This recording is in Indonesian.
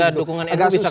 agak susah ditebak gitu ya